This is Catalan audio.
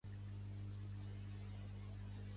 Pertany al moviment independentista l'Ainoa?